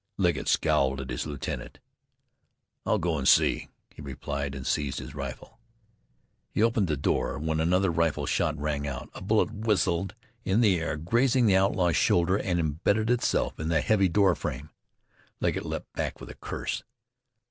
Legget scowled at his lieutenant. "I'll go an' see," he replied and seized his rifle. He opened the door, when another rifle shot rang out. A bullet whistled in the air, grazing the outlaw's shoulder, and imbedded itself in the heavy door frame. Legget leaped back with a curse.